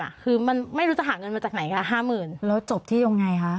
คือมันไม่รู้จะหาเงินมาจากไหนคะห้าหมื่นแล้วจบที่ยังไงคะ